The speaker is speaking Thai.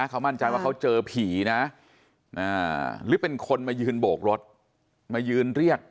เขามั่นใจว่าเขาเจอผีนะหรือเป็นคนมายืนโบกรถมายืนเรียก